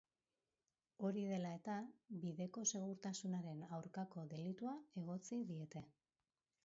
Hori dela eta, bideko segurtasunaren aurkako delitua egotzi diete.